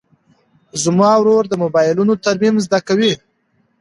زما ورور د موبایلونو ترمیم زده کوي.